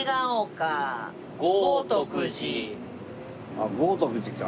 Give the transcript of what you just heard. あっ豪徳寺か。